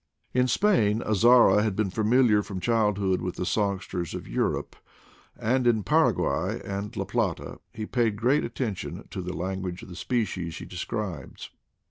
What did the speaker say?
In Spain Azara had been familiar from child hood with the songsters of Europe, and in Para guay and La Plata he paid great attention to the language of the species he describes.